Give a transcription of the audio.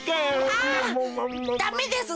あダメです！